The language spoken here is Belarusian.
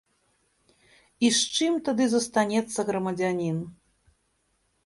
І з чым тады застанецца грамадзянін?